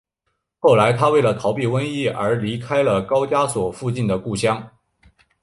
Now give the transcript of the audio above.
后来他为了逃避瘟疫而离开了高加索附近的故乡。